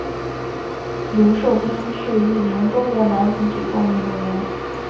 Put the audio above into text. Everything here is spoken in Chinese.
刘寿斌是一名中国男子举重运动员。